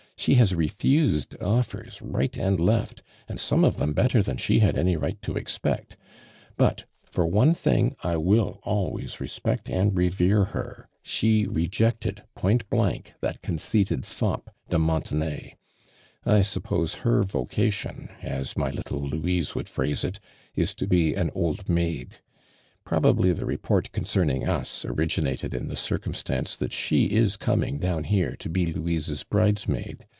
She has refused offers right and left, and some of them better than slio had any right to ex pect; but, for one thing 1 will always respect and revere her — she rejected point blank that concoited fop. de Montenny. I sup pose her vocation, as my little Louine would phrase it, is to be an <Ad maid. Probably the report concerning us origi nated in the circumstance that she is coming down here to be Louise's bridesmaid.